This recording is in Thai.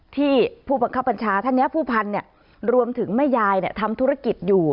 ที่ผู้ปัญชาธนเนียผู้พันธุ์เนี่ยรวมถึงแม่ยายทำธุรกิจอยู่